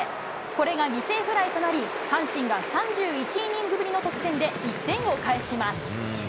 これが犠牲フライとなり、阪神が３１イニングぶりの得点で、１点を返します。